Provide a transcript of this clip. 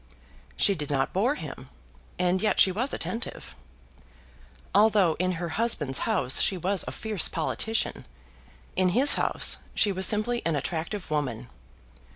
She did not bore him, and yet she was attentive. Although in her husband's house she was a fierce politician, in his house she was simply an attractive woman.